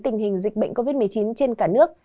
tình hình dịch bệnh covid một mươi chín trên cả nước